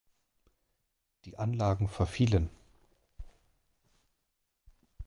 Die Anlagen verfielen.